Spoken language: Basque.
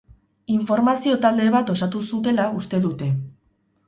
Informazio talde bat osatu zutela uste dute.